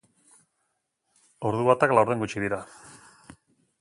Ordu batak laurden gutxi dira.